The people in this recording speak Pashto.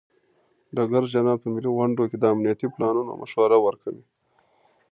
ډګر جنرال په ملي غونډو کې د امنیتي پلانونو مشوره ورکوي.